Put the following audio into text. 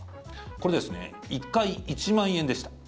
これですね１回１万円でした。